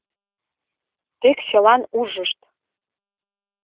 — Тек чылан ужышт!